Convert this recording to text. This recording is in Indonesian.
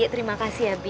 terima kasih ya bi